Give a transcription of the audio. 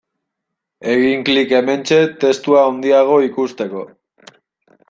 Egin klik hementxe testua handiago ikusteko.